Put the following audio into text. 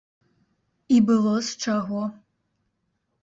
І было з чаго.